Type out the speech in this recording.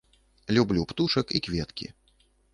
Люблю птушак і кветкі.